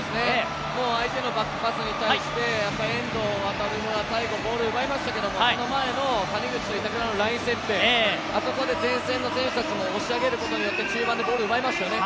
相手のバックパスに対して遠藤航が最後、ボール奪いましたけど、その前の谷口と板倉のライン設定、あそこで前線の選手たちも押し上げることによって中盤でボールを奪いましたよね。